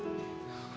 pak ini apa